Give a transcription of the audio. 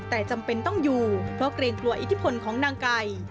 แต่จำเป็นต้องอยู่เพราะเกรงกลัวอิทธิพลของนางไก่